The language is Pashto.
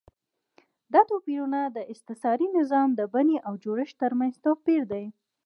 دا توپیرونه د استثاري نظام د بڼې او جوړښت ترمنځ توپیر دی.